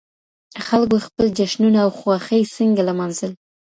خلګو خپل جشنونه او خوښۍ څنګه لمانځل؟